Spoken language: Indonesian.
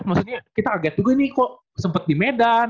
maksudnya kita agak agak ini kok sempat di medan